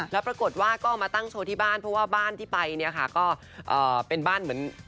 แล้วปรากฏว่าก็เอามาตั้งโชว์ที่บ้านเพราะว่าบ้านที่ไปเนี่ยค่ะก็เป็นบ้านเหมือน